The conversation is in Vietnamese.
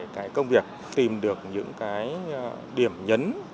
gửi về tham dự chương trình